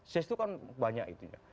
sis itu kan banyak itu ya